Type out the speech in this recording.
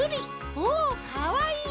おおかわいい！